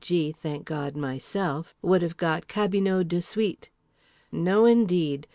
g., thank God, myself) would have got cabinot de suite. No indeed.